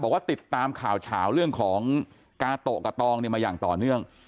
บอกว่าติดตามข่าวเฉาเรื่องของกาโตะกับตองเนี่ยมาอย่างต่อเนื่อง